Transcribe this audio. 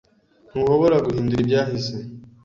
Ntuhobora guhindura ibyahise